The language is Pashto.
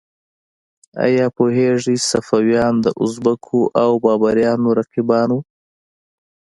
ایا پوهیږئ صفویان د ازبکو او بابریانو رقیبان وو؟